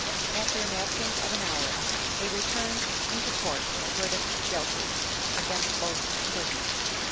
After an absence of an hour, they returned into court with a verdict of "Guilty" against both the prisoners.